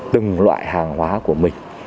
từng loại hàng hóa của mình